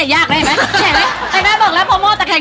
ต้องเปลี่ยนมตากลาง